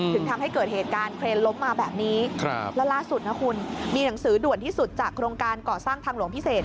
ถึงทำให้เกิดเหตุการณ์เครนล้มมาแบบนี้แล้วล่าสุดนะคุณมีหนังสือด่วนที่สุดจากโครงการก่อสร้างทางหลวงพิเศษ